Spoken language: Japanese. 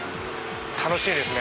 楽しみですね。